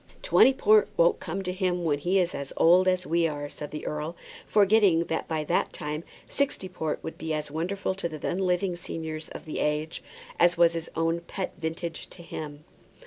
"Twenty port won't come to him when he is as old as we are," said the earl, forgetting that by that time sixty port will be as wonderful to the then living seniors of the age as was his own pet vintage to him.